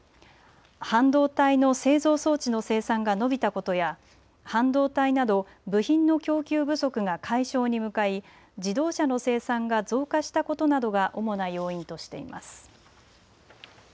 半導体の製造装置の生産が伸びたことや、半導体など部品の供給不足が解消に向かい、自動車の生産が増加したことなどが主な要因としています。